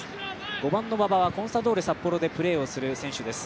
５番の馬場はコンサドーレ札幌でプレーをする選手です。